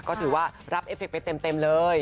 ก็ถือว่ารับเอฟเคไปเต็มเลย